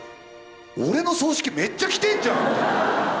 俺の葬式めっちゃ来てんじゃん。